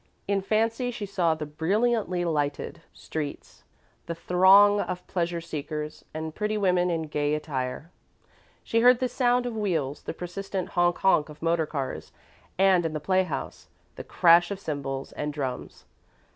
In fancy she saw the brilliantly lighted streets, the throng of pleasure seekers and pretty women in gay attire. She heard the sound of wheels, the persistent "honk honk" of motor cars, and, in the playhouse, the crash of cymbals and drums.